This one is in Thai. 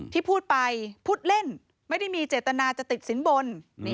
ที่พูดไปพูดเล่นไม่ได้มีเจตนาจะติดสินบน